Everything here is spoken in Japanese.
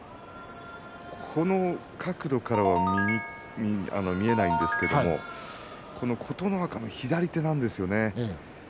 この角度から見えないんですけれど琴ノ若の左手なんですよね。